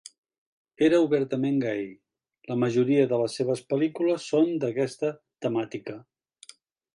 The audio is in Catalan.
Era obertament gai i la majoria de les seves pel·lícules són d'aquesta temàtica.